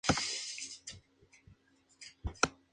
Étnicamente está compuesta principalmente por nativos yorubas.